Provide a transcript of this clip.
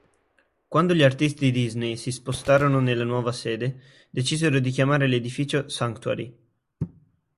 Quando gli artisti Disney si spostarono nella nuova sede, decisero di chiamare l'edificio "Sanctuary".